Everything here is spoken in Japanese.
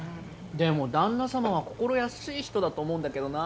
でも旦那様は心優しい人だと思うんだけどな。